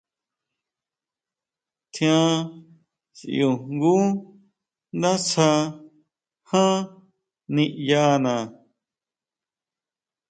Tjian sʼíu jngu ndásja ján niʼyana.